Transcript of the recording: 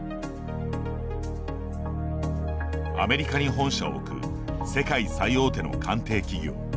アメリカに本社を置く世界最大手の鑑定企業。